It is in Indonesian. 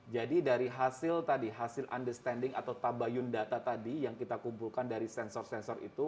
jadi dari hasil tadi hasil understanding atau tabayun data tadi yang kita kumpulkan dari sensor sensor itu